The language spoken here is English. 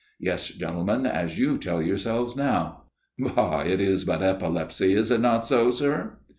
Yes, gentlemen, as you tell your selves now. Bah ! it is but epilepsy, is it not so, sir